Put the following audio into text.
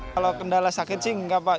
kalau kendala sakit sih enggak pak